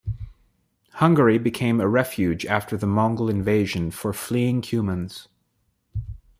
Hungary became a refuge after the Mongol invasions for fleeing Cumans.